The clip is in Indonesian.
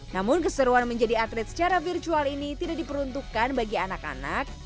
namun keseruan menjadi atlet secara virtual ini tidak diperuntukkan bagi anak anak